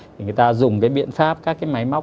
thì người ta dùng cái biện pháp các cái máy móc